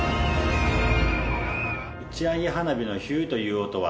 打ち上げ花火のヒュという音は。